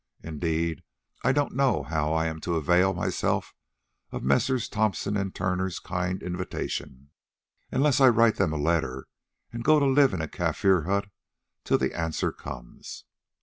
Indeed, I don't know how I am to avail myself of Messrs. Thomson & Turner's kind invitation, unless I write them a letter and go to live in a Kaffir hut till the answer comes."